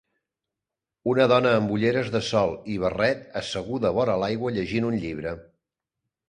Una dona amb ulleres de sol i barret asseguda vora l'aigua llegint un llibre.